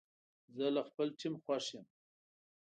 زه له خپل ټیم خوښ یم.